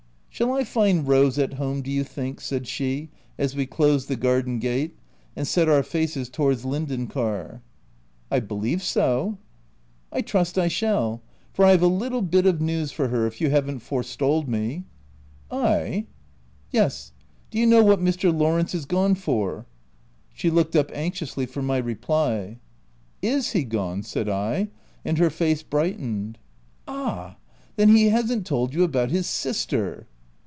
u Shall I find Rose at home, do you think ?" said she, as we closed the garden gate, and set our faces towards Linden car. M I believe so." " I trust I shall, for I've a little bit of news for her — if you haven't forestalled me." " Yes : do you know what Mr. Lawrence is gone for?" She looked up anxiously for my reply. " Is he gone?'* said I, and her face bright ened. "Ah ! then he hasn't told you about his sister?"